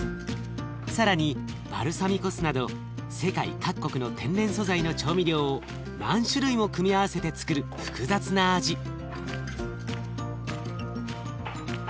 更にバルサミコ酢など世界各国の天然素材の調味料を何種類も組み合わせてつくる複雑な味。